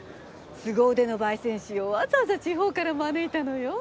すご腕の焙煎士をわざわざ地方から招いたのよ。